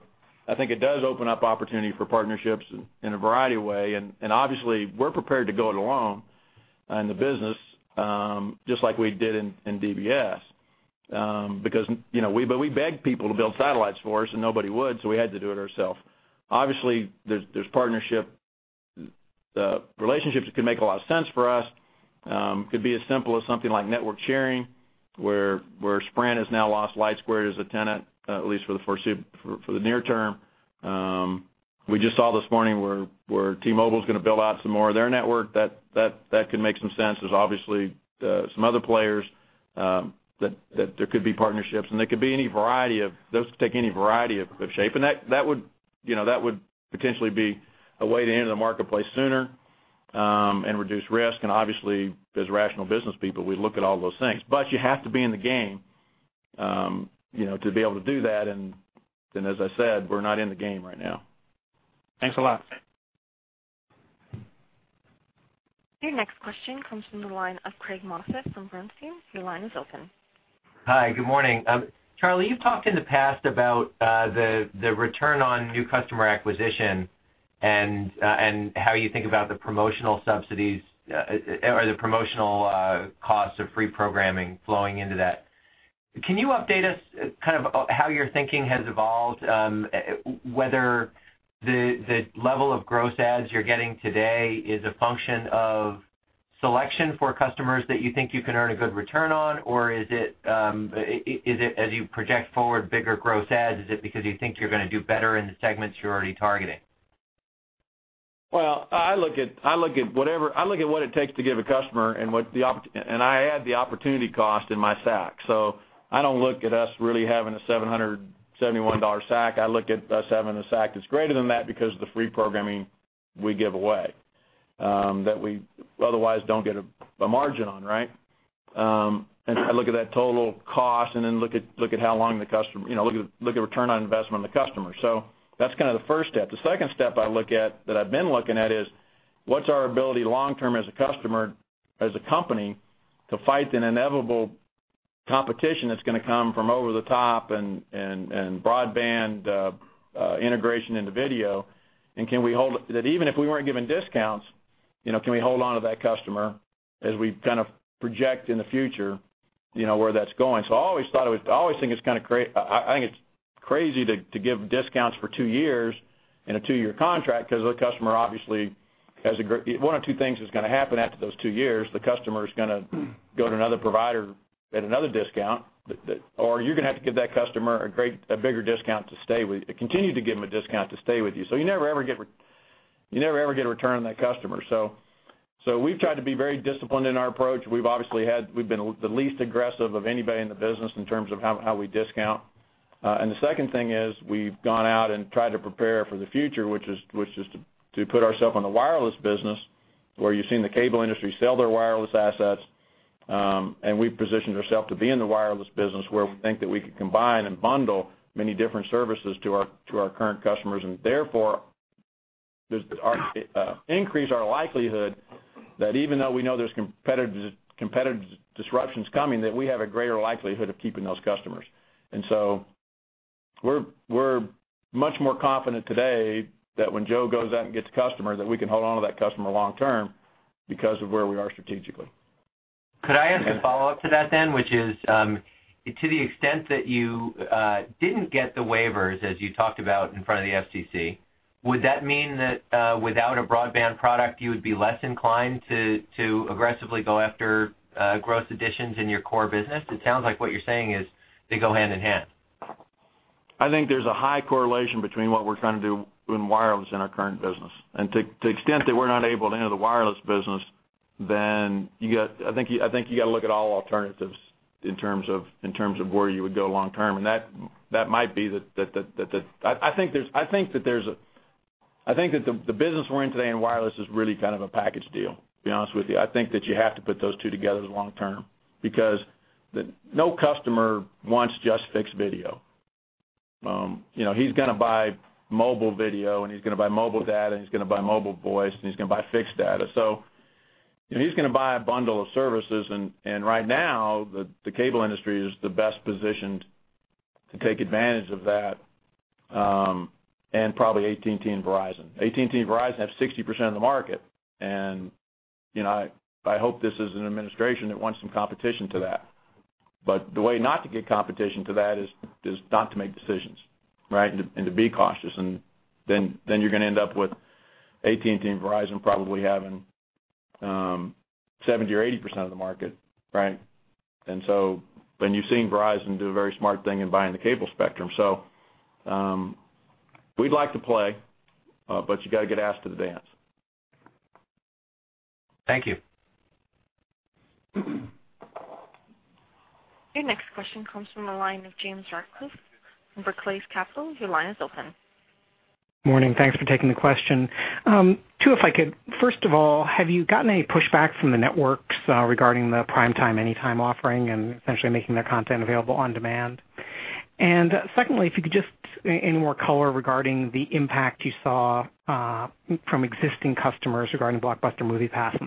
I think it does open up opportunity for partnerships in a variety of way. Obviously, we're prepared to go it alone in the business, just like we did in DBS. Because, you know, we begged people to build satellites for us and nobody would, so we had to do it ourself. Obviously, there's partnership relationships that can make a lot of sense for us. Could be as simple as something like network sharing, where Sprint has now lost LightSquared as a tenant, at least for the near term. We just saw this morning where T-Mobile's gonna build out some more of their network. That could make some sense. There's obviously some other players that there could be partnerships. Those could take any variety of shape. That would, you know, that would potentially be a way to enter the marketplace sooner and reduce risk. Obviously, as rational business people, we look at all those things. You have to be in the game, you know, to be able to do that. As I said, we're not in the game right now. Thanks a lot. Your next question comes from the line of Craig Moffett from Bernstein. Your line is open. Hi, good morning. Charlie, you've talked in the past about the return on new customer acquisition and and how you think about the promotional subsidies or the promotional costs of free programming flowing into that. Can you update us kind of how your thinking has evolved, whether the level of gross adds you're getting today is a function of selection for customers that you think you can earn a good return on? Or is it, is it as you project forward bigger gross adds, is it because you think you're gonna do better in the segments you're already targeting? Well, I look at what it takes to get a customer and I add the opportunity cost in my SAC. I don't look at us really having a $771 SAC. I look at us having a SAC that's greater than that because of the free programming we give away that we otherwise don't get a margin on, right? I look at that total cost then look at how long the customer, you know, look at return on investment of the customer. That's kind of the first step. The second step I look at, that I've been looking at is, what's our ability long-term as a customer, as a company to fight the inevitable competition that's gonna come from over the top and broadband integration into video? Can we hold that even if we weren't given discounts, you know, can we hold onto that customer as we kind of project in the future, you know, where that's going? I always think it's crazy to give discounts for two years in a two-year contract 'cause the customer obviously has one of two things is gonna happen after those two years, the customer is gonna go to another provider at another discount. Or you're gonna have to give that customer a bigger discount to stay with you. Continue to give them a discount to stay with you. You never, ever get a return on that customer. We've tried to be very disciplined in our approach. We've obviously been the least aggressive of anybody in the business in terms of how we discount. The second thing is we've gone out and tried to prepare for the future, which is to put ourselves in the wireless business, where you've seen the cable industry sell their wireless assets. We've positioned ourselves to be in the wireless business where we think that we can combine and bundle many different services to our current customers, and therefore, there's our increase our likelihood that even though we know there's competitive disruptions coming, that we have a greater likelihood of keeping those customers. We're much more confident today that when Joe goes out and gets customers, that we can hold on to that customer long term because of where we are strategically. Could I ask a follow-up to that then? Which is, to the extent that you didn't get the waivers as you talked about in front of the FCC, would that mean that without a broadband product, you would be less inclined to aggressively go after gross additions in your core business? It sounds like what you're saying is they go hand in hand. I think there's a high correlation between what we're trying to do in wireless in our current business. To extent that we're not able to enter the wireless business, then I think you gotta look at all alternatives in terms of where you would go long term. That might be that I think that the business we're in today in wireless is really kind of a package deal, to be honest with you. I think that you have to put those two together long term because no customer wants just fixed video. You know, he's gonna buy mobile video, and he's gonna buy mobile data, and he's gonna buy mobile voice, and he's gonna buy fixed data. You know, he's gonna buy a bundle of services and right now, the cable industry is the best positioned to take advantage of that, and probably AT&T and Verizon. AT&T and Verizon have 60% of the market, you know, I hope this is an administration that wants some competition to that. The way not to get competition to that is not to make decisions, right? To be cautious. Then you're gonna end up with AT&T and Verizon probably having 70% or 80% of the market, right? Then you've seen Verizon do a very smart thing in buying the cable spectrum. We'd like to play, but you gotta get asked to the dance. Thank you. Your next question comes from the line of James Ratcliffe from Barclays Capital. Your line is open. Morning. Thanks for taking the question. Two, if I could. First of all, have you gotten any pushback from the networks, regarding the PrimeTime Anytime offering and essentially making their content available on demand? Secondly, if you could just any more color regarding the impact you saw, from existing customers regarding the Blockbuster Movie Pass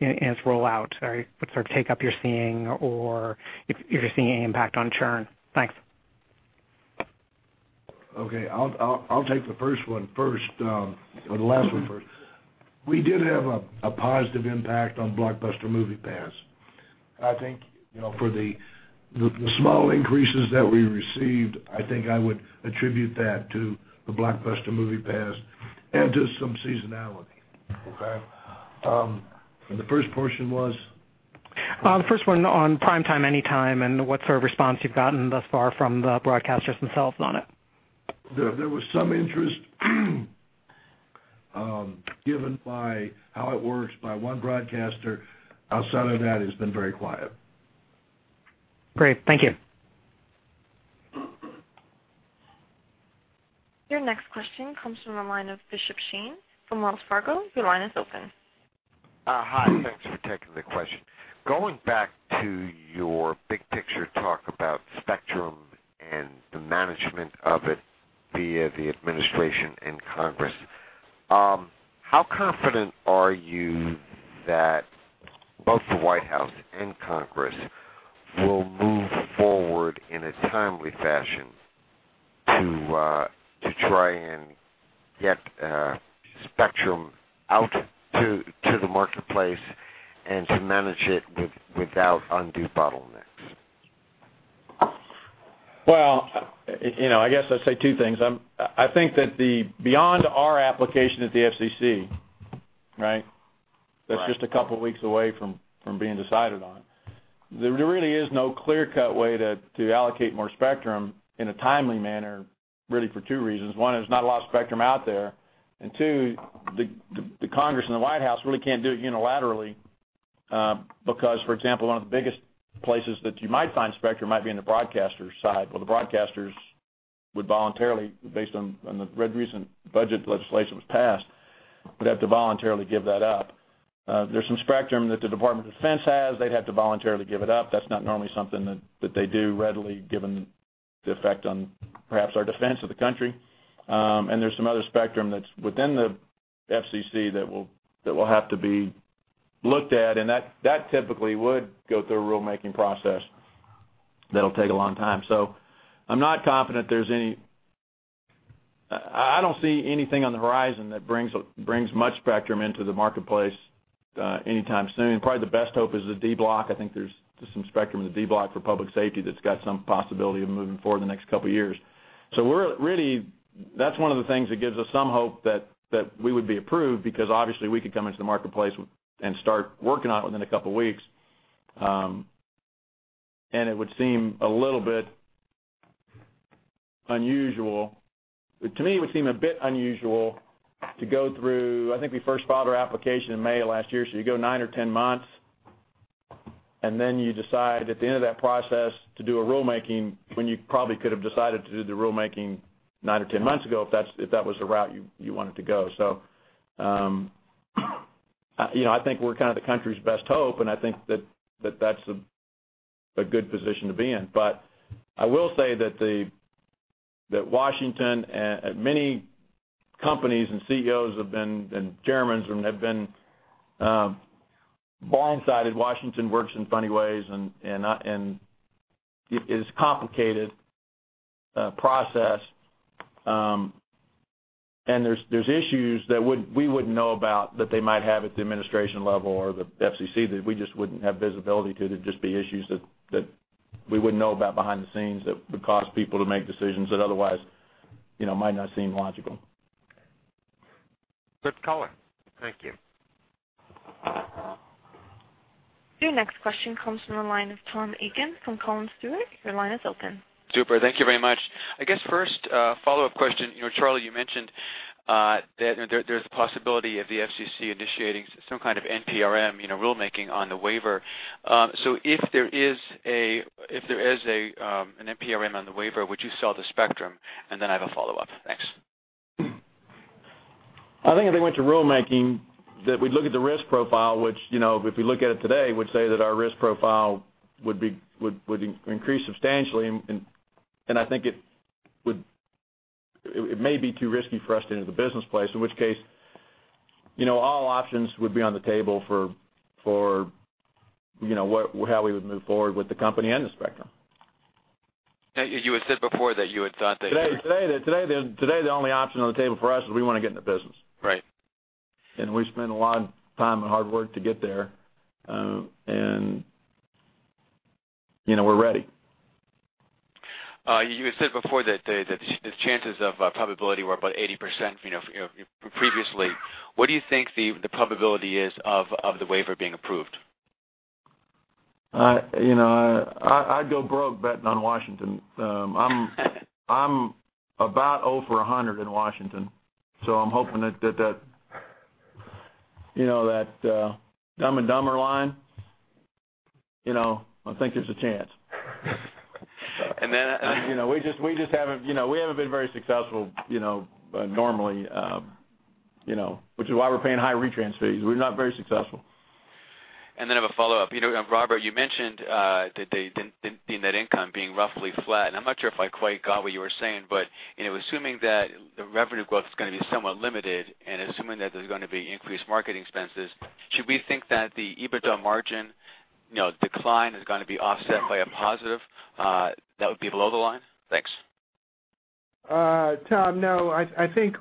on the, thus far in its rollout. Sorry, what sort of take-up you're seeing or if you're seeing any impact on churn? Thanks. I'll take the first one first or the last one first. We did have a positive impact on Blockbuster Movie Pass. I think, you know, for the small increases that we received, I think I would attribute that to the Blockbuster Movie Pass and to some seasonality. The first portion was? The first one on PrimeTime Anytime and what sort of response you've gotten thus far from the broadcasters themselves on it. There was some interest, given by how it works by one broadcaster. Outside of that, it's been very quiet. Great. Thank you. Your next question comes from the line of Bishop Cheen from Wells Fargo. Hi. Thanks for taking the question. Going back to your big picture talk about spectrum and the management of it via the administration and Congress, how confident are you that both the White House and Congress will move forward in a timely fashion to try and get, spectrum out to the marketplace and to manage it without undue bottlenecks? You know, I guess I'd say two things. I think that beyond our application at the FCC, right? Right. That's just a couple of weeks away from being decided on. There really is no clear-cut way to allocate more spectrum in a timely manner, really for two reasons. One, there's not a lot of spectrum out there. Two, the Congress and the White House really can't do it unilaterally because, for example, one of the biggest places that you might find spectrum might be in the broadcaster side. Well, the broadcasters would voluntarily, based on the recent budget legislation was passed, would have to voluntarily give that up. There's some spectrum that the Department of Defense has. They'd have to voluntarily give it up. That's not normally something that they do readily, given the effect on perhaps our defense of the country. There's some other spectrum that's within the FCC that will have to be looked at, and that typically would go through a rulemaking process that will take a long time. I'm not confident there's any I don't see anything on the horizon that brings much spectrum into the marketplace anytime soon. Probably the best hope is the D Block. I think there's some spectrum in the D Block for public safety that's got some possibility of moving forward in the next two years. That's one of the things that gives us some hope that we would be approved because obviously we could come into the marketplace and start working on it within two weeks. It would seem a little bit unusual To me, it would seem a bit unusual to go through I think we first filed our application in May of last year, you go nine or 10 months, and then you decide at the end of that process to do a rulemaking when you probably could have decided to do the rulemaking nine or 10 months ago if that was the route you wanted to go. You know, I think we're kind of the country's best hope, and I think that that's a good position to be in. I will say that Washington and many companies and CEOs and chairmen have been blindsided. Washington works in funny ways and it is complicated process. There's issues that we wouldn't know about that they might have at the administration level or the FCC that we just wouldn't have visibility to. They'd just be issues that we wouldn't know about behind the scenes that would cause people to make decisions that otherwise, you know, might not seem logical. Good color. Thank you. Your next question comes from the line of Tom Eagan from Collins Stewart. Your line is open. Super. Thank you very much. I guess first, follow-up question. You know, Charlie, you mentioned that there's a possibility of the FCC initiating some kind of NPRM, you know, rulemaking on the waiver. If there is a NPRM on the waiver, would you sell the spectrum? Then I have a follow-up. Thanks. I think if they went to rulemaking that we'd look at the risk profile, which, you know, if we look at it today, would say that our risk profile would be, would increase substantially and I think it may be too risky for us to enter the business place, in which case, you know, all options would be on the table for, you know, what, how we would move forward with the company and the spectrum. You had said before that you had thought. Today, today the only option on the table for us is we wanna get in the business. Right. We spent a lot of time and hard work to get there, and, you know, we're ready. You had said before that the chances of probability were about 80%, you know, previously. What do you think the probability is of the waiver being approved? You know, I'd go broke betting on Washington. I'm about zero for 100 in Washington, so I'm hoping that, you know, that, Dumb and Dumber line, you know, I think there's a chance. And then. You know, we just haven't, you know, we haven't been very successful, you know, normally, you know, which is why we're paying high retrans fees. We're not very successful. I have a follow-up. You know, Robert, you mentioned the net income being roughly flat, and I'm not sure if I quite got what you were saying, but, you know, assuming that the revenue growth is gonna be somewhat limited and assuming that there's gonna be increased marketing expenses, should we think that the EBITDA margin, you know, decline is gonna be offset by a positive that would be below the line? Thanks. Tom, no. I think,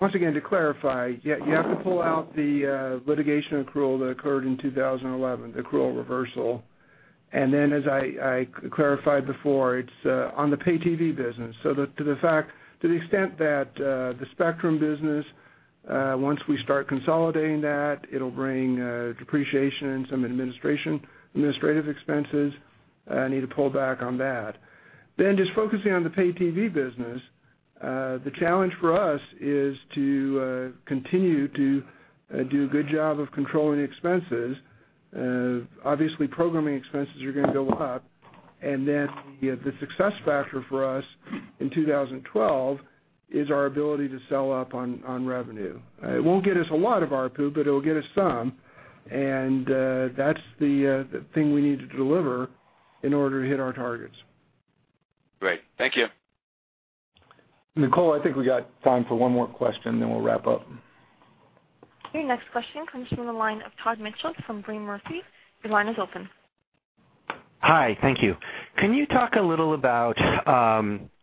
once again, to clarify, you have to pull out the litigation accrual that occurred in 2011, accrual reversal. As I clarified before, it's on the pay-TV business. To the extent that, the spectrum business, once we start consolidating that, it'll bring depreciation and some administrative expenses. Need to pull back on that. Just focusing on the pay-TV business, the challenge for us is to continue to do a good job of controlling expenses. Programming expenses are gonna go up, and then the success factor for us in 2012 is our ability to sell up on revenue. It won't get us a lot of ARPU, but it'll get us some, and that's the thing we need to deliver in order to hit our targets. Great. Thank you. Nicole, I think we got time for one more question, then we'll wrap up. Okay. Next question comes from the line of Todd Mitchell from Brean Murray. Your line is open. Hi. Thank you. Can you talk a little about,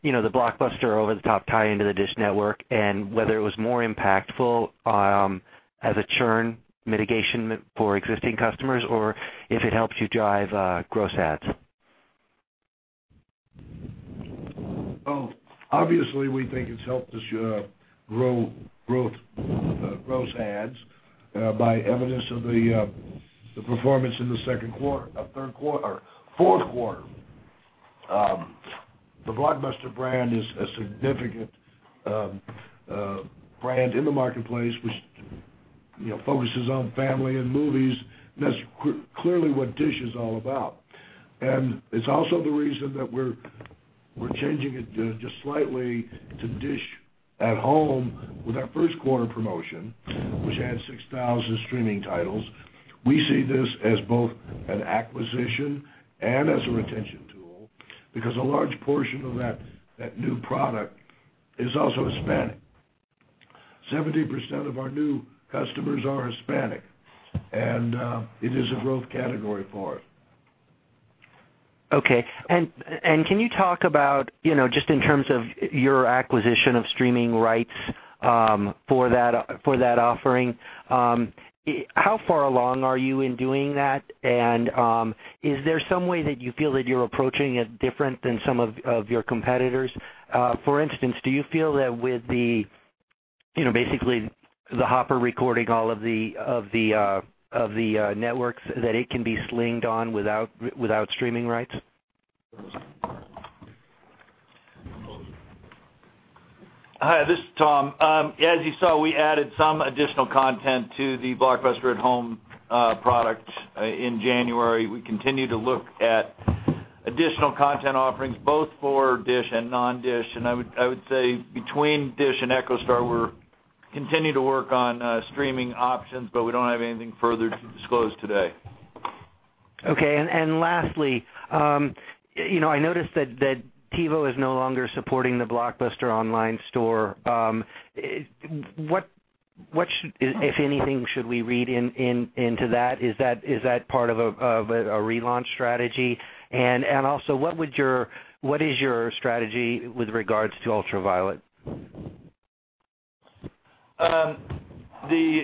you know, the Blockbuster over-the-top tie-in to the DISH Network and whether it was more impactful as a churn mitigation for existing customers, or if it helps you drive gross adds? Well, obviously, we think it's helped us grow growth, gross adds by evidence of the performance in the second quarter, third quarter, or fourth quarter. The Blockbuster brand is a significant brand in the marketplace. You know, focuses on family and movies. That's clearly what DISH is all about. It's also the reason that we're changing it just slightly to DISH at Home with our first quarter promotion, which had 6,000 streaming titles. We see this as both an acquisition and as a retention tool because a large portion of that new product is also Hispanic. 70% of our new customers are Hispanic, it is a growth category for us. Okay. Can you talk about, you know, just in terms of your acquisition of streaming rights for that, for that offering, how far along are you in doing that? And is there some way that you feel that you're approaching it different than some of your competitors? For instance, do you feel that with the, you know, basically the Hopper recording all of the networks that it can be slinged on without streaming rights? Hi, this is Tom. As you saw, we added some additional content to the Blockbuster@Home product in January. We continue to look at additional content offerings both for DISH and non-DISH. I would say between DISH and EchoStar, we're continuing to work on streaming options, but we don't have anything further to disclose today. Okay. Lastly, you know, I noticed that TiVo is no longer supporting the Blockbuster online store. What if anything, should we read into that? Is that part of a relaunch strategy? Also, what is your strategy with regards to UltraViolet? The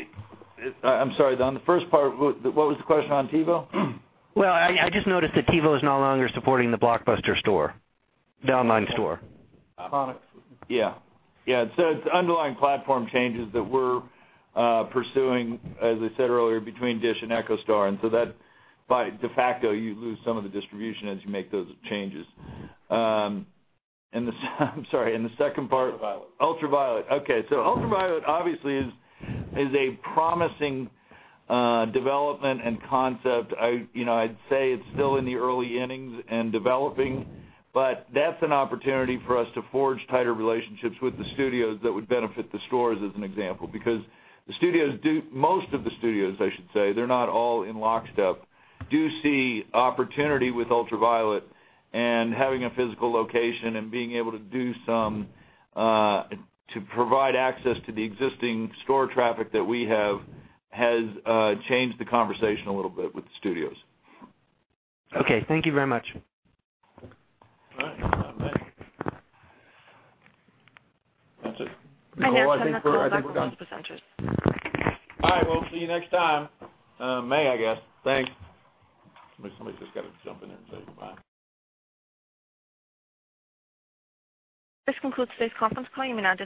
I'm sorry, the first part, what was the question on TiVo? Well, I just noticed that TiVo is no longer supporting the Blockbuster store, the online store. Yeah. Yeah. It's underlying platform changes that we're pursuing, as I said earlier, between DISH and EchoStar, that by de facto, you lose some of the distribution as you make those changes. The second part? UltraViolet. UltraViolet. Okay. UltraViolet obviously is a promising development and concept. I, you know, I'd say it's still in the early innings and developing, but that's an opportunity for us to forge tighter relationships with the studios that would benefit the stores, as an example. Because the studios, most of the studios, I should say, they're not all in lockstep, do see opportunity with UltraViolet. Having a physical location and being able to do some to provide access to the existing store traffic that we have, has changed the conversation a little bit with the studios. Okay. Thank you very much. All right. Bye. That's it. No, I think we're done. There are no further questions for the presenters. All right. We'll see you next time, May, I guess. Thanks. Somebody's just gotta jump in there and say bye-bye. This concludes today's conference call. You may now disconnect.